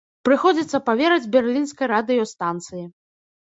Прыходзіцца паверыць берлінскай радыёстанцыі.